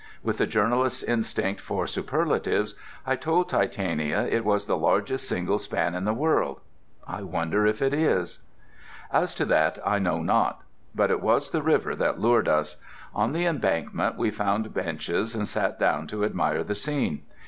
With the journalist's instinct for superlatives I told Titania it was the largest single span in the world. I wonder if it is? As to that I know not. But it was the river that lured us. On the embankment we found benches and sat down to admire the scene.